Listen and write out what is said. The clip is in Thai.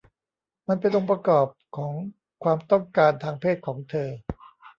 มันเป็นองค์ประกอบของความต้องการทางเพศของเธอ